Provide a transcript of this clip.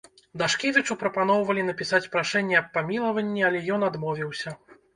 Дашкевічу прапаноўвалі напісаць прашэнне аб памілаванні, але ён адмовіўся.